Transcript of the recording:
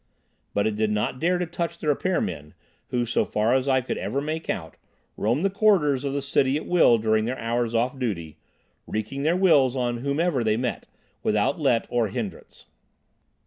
But it did not dare to touch the repair men, who, so far as I could ever make out, roamed the corridors of the city at will during their hours off duty, wreaking their wills on whomever they met, without let or hindrance.